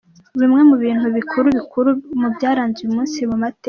Bimwe mu bintu bikuru bikuru mu byaranze uyu munsi mu mateka .